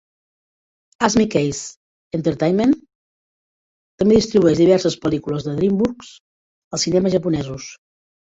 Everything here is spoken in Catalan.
Asmik Ace Entertainment també distribueix diverses pel·lícules de DreamWorks als cinemes japonesos.